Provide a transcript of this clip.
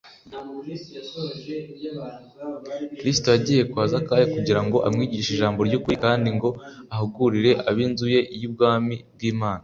kristo yagiye kwa zakayo kugira ngo amwigishe ijambo ry’ukuri, kandi ngo ahugurire ab’inzu ye iby’ubwami bw’imana